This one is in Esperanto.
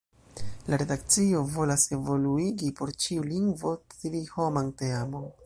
La redakcio volas evoluigi por ĉiu lingvo tri-homan teamon.